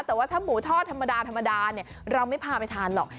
แต่ว่าถ้าหมูทอดธรรมดาธรรมดาเราไม่พาไปทานหรอก